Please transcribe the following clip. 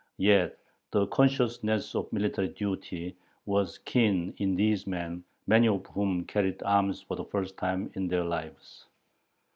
Yet the consciousness of military duty was keen in these men, many of whom carried arms for the first time in their lives.